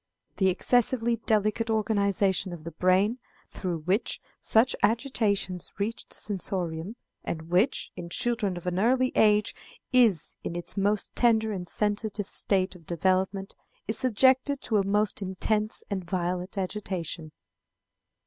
The excessively delicate organization of the brain, through which such agitations reach the sensorium, and which, in children of an early age, is in its most tender and sensitive state of development, is subjected to a most intense and violent agitation.